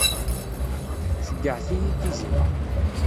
Ceyyɛet-iyi-d izen.